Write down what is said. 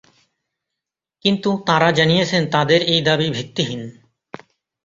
কিন্তু তাঁরা জানিয়েছেন তাঁদের এই দাবি ভিত্তিহীন।